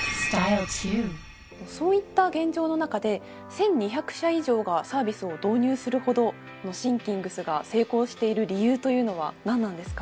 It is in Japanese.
そういった現状の中で１，２００社以上がサービスを導入するほどＴｈｉｎｋｉｎｇｓが成功している理由というのは何なんですか？